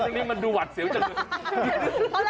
นี้มันดูหวัดเสียวจังเลย